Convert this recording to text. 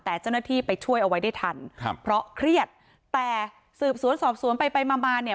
แต่เจ้าหน้าที่ไปช่วยเอาไว้ได้ทันครับเพราะเครียดแต่สืบสวนสอบสวนไปไปมามาเนี่ย